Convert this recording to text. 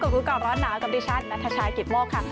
สวัสดีค่ะพบกับดูกล่อร้อนหนาวท์กับดิฉันนัทชายกิทโมกค่ะ